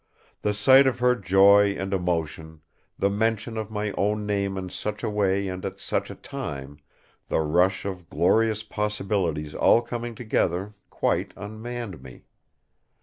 The sight of her joy and emotion, the mention of my own name in such a way and at such a time, the rush of glorious possibilities all coming together, quite unmanned me.